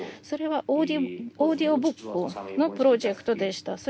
それはオーディオブックのプロジェクトでした。